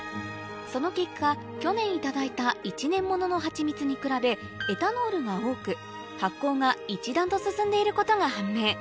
その結果去年頂いた１年物のハチミツに比べエタノールが多く発酵が一段と進んでいることが判明